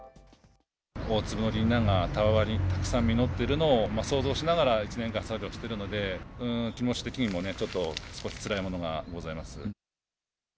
大粒のギンナンがたわわにたくさん実ってるのを想像しながら１年間作業してるので、気持ち的にもね、ちょっと少しつらいものがございます。